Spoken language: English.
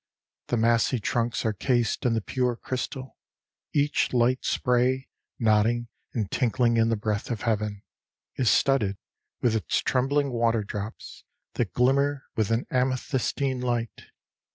the massy trunks Are cased in the pure crystal; each light spray, Nodding and tinkling in the breath of heaven, Is studded with its trembling water drops, That glimmer with an amethystine light.